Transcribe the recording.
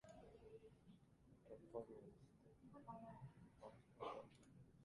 Metropolitan State currently has four campuses.